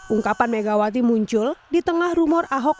ungkapan megawati muncul di tengah rumor ahok